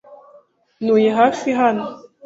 Ntuye hafi hano.